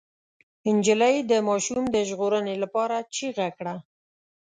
نجلۍ د ماشوم د ژغورنې لپاره چيغه کړه.